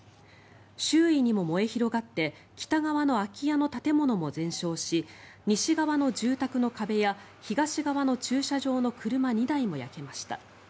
周囲にも燃え広がって北側の空き家の建物も全焼し西側の住宅の壁や東側の駐車場の車２台も焼けました。